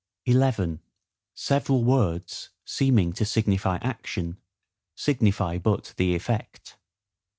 11. Several Words seeming to signify Action, signify but the effect.